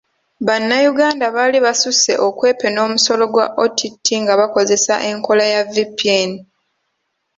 Bannayuganda baali basusse okwepena omusolo gwa OTT nga bakozesa enkola ya VPN.